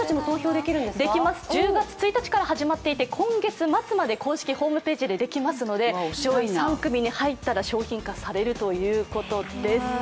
できます、１０月１日から始まっていて今月末まで公式ホームページでできますので上位３組に入ったら商品化されるということです。